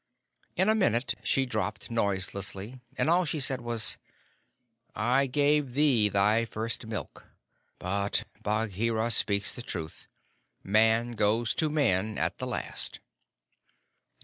In a minute she dropped noiselessly, and all she said was: "I gave thee thy first milk; but Bagheera speaks truth: Man goes to Man at the last."